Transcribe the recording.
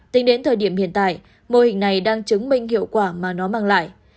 tính đến thời điểm hiện tại mô hình này đang chứng minh hiệu quả mà nó mang lại